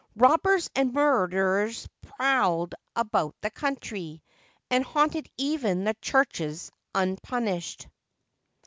Robbers and murderers prowled about the country, and haunted even the churches unpunished.